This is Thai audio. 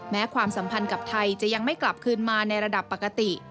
ความสัมพันธ์กับไทยจะยังไม่กลับคืนมาในระดับปกติ